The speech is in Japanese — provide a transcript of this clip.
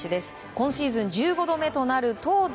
今シーズン１５度目となる投打